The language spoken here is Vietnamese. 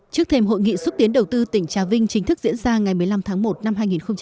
trước thêm hội nghị xúc tiến đầu tư tỉnh trà vinh chính thức diễn ra ngày một mươi năm tháng một năm hai nghìn hai mươi